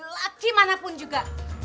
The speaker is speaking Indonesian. laki mana pun juga